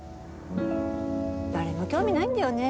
誰も興味ないんだよね